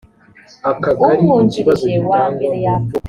umwungirije wa mbere yapfuye